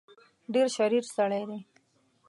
ډېر شریر سړی دی.